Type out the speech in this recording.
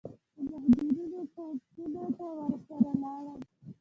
د مهاجرینو کمپونو ته ورسره ولاړم.